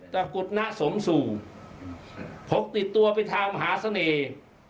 แต่กุฎณสมสู่พกติดตัวไปทางมหาเสน่ห์